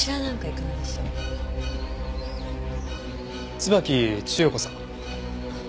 椿千代子さん。